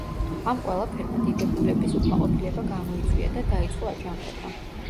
ამ ყველაფერმა დიდებულების უკმაყოფილება გამოიწვია და დაიწყო აჯანყება.